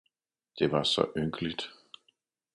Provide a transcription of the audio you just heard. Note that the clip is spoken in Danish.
det var så ynkeligt.